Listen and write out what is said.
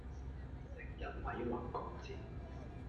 成日捩橫曲折